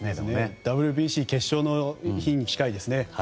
ＷＢＣ決勝の日に近いですね